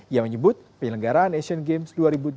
ia menyebut penyelenggaran asian games